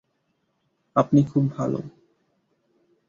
আপনি খুব ভালো।